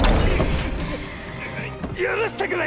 許してくれ！